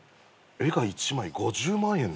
絵が１枚５０万円で？